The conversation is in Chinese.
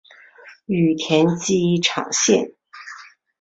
羽田机场线